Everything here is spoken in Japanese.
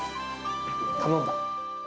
頼んだ。